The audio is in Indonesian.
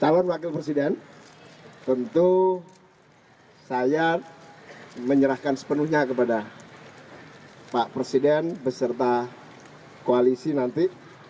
calon wakil presiden tentu saya menyerahkan sepenuhnya kepada pak presiden beserta koalisi nanti